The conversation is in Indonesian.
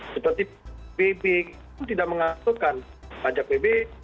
seperti pbb itu tidak mengaturkan pajak pbb